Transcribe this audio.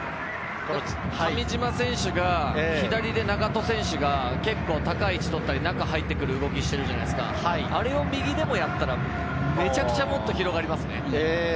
上島選手が左で永戸選手が結構高い位置を取っていたり、中に入ってくるので、あれを右でもやったら、めちゃくちゃもっと広がりますね。